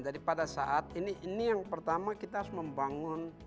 jadi pada saat ini yang pertama kita harus membangun